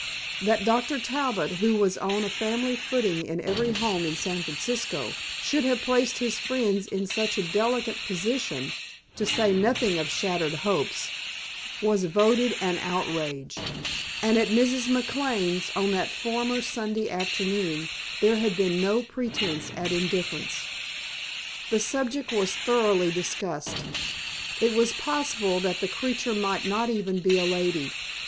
That Dr. Talbot, who was on a family footing in every home in San Francisco, should have placed his friends in such a delicate position (to say nothing of shattered hopes) was voted an outrage, and at Mrs. McLane's on that former Sunday afternoon, there had been no pretence at indifference. The subject was thoroughly discussed. It was possible that the creature might not even be a lady.